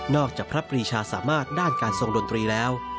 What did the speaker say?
จากพระปรีชาสามารถด้านการทรงดนตรีแล้ว